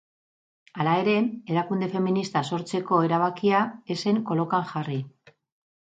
Hala ere, erakunde feminista sortzeko erabakia ez zen kolokan jarri.